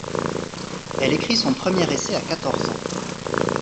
Elle écrit son premier essai à quatorze ans.